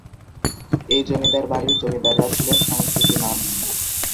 এই জমিদার বাড়ির জমিদাররা ছিলেন সংস্কৃতিমান।